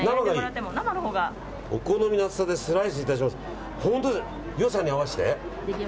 お好みの薄さにスライスします。